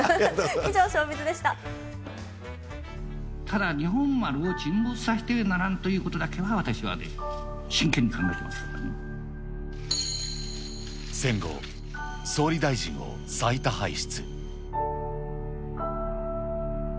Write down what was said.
以上、ただ、日本丸を沈没させてはならんということだけは私は真剣に考えてい戦後、総理大臣を最多輩出。